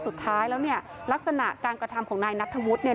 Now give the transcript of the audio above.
สุดท้ายแล้วเนี่ยลักษณะการกระทำของนายนัทธวุฒิเนี่ย